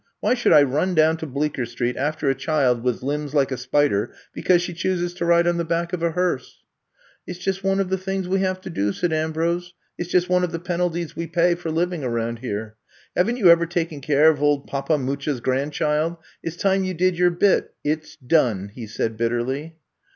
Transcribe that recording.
Why should I run down to Bleecker Street after a child with limbs like a spider because she chooses to ride on the back of a hearse T* It 's just one of the things we have to do/* said Ambrose. It 's just one of the penalties we pay for living around here* Have n *t you ever taken care of old Papa Mucha^s grandchild! It 's time you did your bit. It 's done/* he said bitterly.